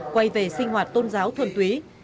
quay về sinh hoạt tôn giáo thuần túy